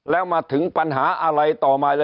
แล้วมาถึงปัญหาอะไรต่อมาเลย